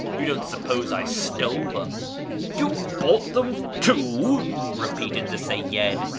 You don't sup pose I stole them ?"" You bought them too !" repeated the Seyyid.